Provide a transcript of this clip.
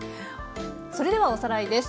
それではおさらいです。